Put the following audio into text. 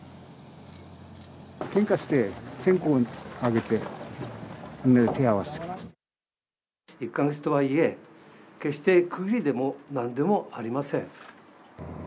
献花して、線香をあげて、１か月とはいえ、決して区切りでもなんでもありません。